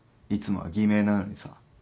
いつもは偽名なのにさ。